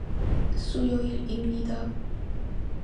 수요일입니다.